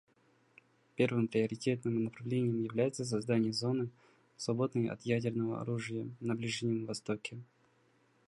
Первым приоритетным направлением является создание зоны, свободной от ядерного оружия, на Ближнем Востоке.